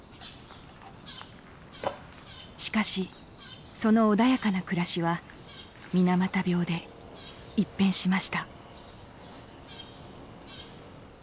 しかしその穏やかな暮らしは水俣病で一変しました。